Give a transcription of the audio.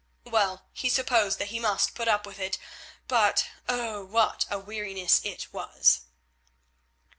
Well, he supposed that he must put up with it, but oh! what a weariness it was.